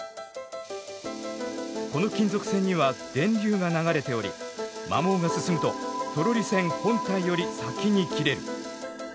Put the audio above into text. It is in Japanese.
この金属線には電流が流れており摩耗が進むとトロリ線本体より先に切れる。